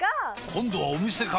今度はお店か！